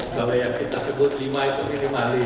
kalau yang kita sebut lima itu minimali